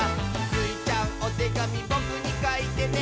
「スイちゃん、おてがみぼくにかいてね」